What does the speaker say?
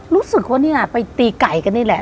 รู้สึกว่านี่ไปตีไก่กันนี่แหละ